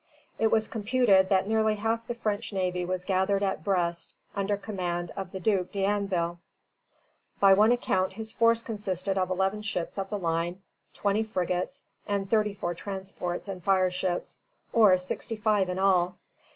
It was computed that nearly half the French navy was gathered at Brest under command of the Duc d'Anville. By one account his force consisted of eleven ships of the line, twenty frigates, and thirty four transports and fireships, or sixty five in all.